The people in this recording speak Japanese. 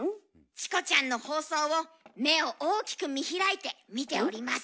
「『チコちゃん』の放送を目を大きく見開いて見ております」。